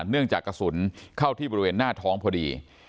เนื่องจากกระสุนเข้าที่บริเวณหน้าท้องพอดี